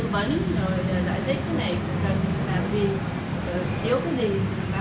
và tìm hiểu thêm